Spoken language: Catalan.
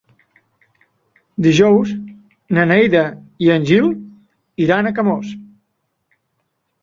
Dijous na Neida i en Gil iran a Camós.